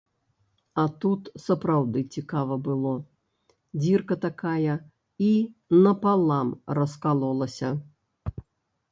А тут сапраўды цікава было, дзірка такая і напалам раскалолася.